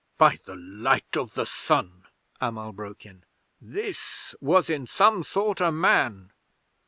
_" '"By the Light of the Sun," Amal broke in. "This was in some sort a Man!